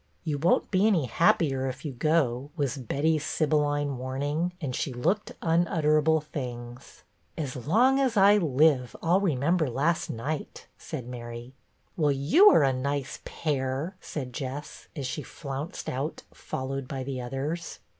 " You won't be any happier if you go," was Betty's sibylline warning, and she looked unutterable things. " As long as I live I 'll remember last night," said Mary. " Well, you are a nice pair," said Jess, as she flounced out, followed by the others.